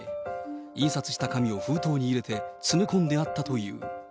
印刷した紙を封筒に入れて詰め込んであったという。